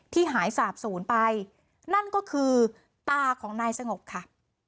หายสาบศูนย์ไปนั่นก็คือตาของนายสงบค่ะ